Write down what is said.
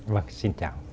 vâng xin chào